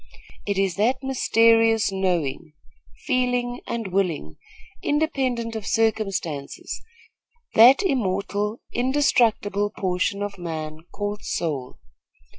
It is that mysterious knowing, feeling and willing, independent of circumstances; that immortal, indestructible portion of man called soul.